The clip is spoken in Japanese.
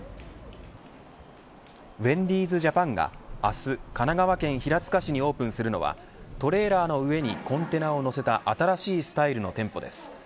ウェンディーズ・ジャパンが明日、神奈川県平塚市にオープンするのはトレーラーの上にコンテナを載せた新しいスタイルの店舗です。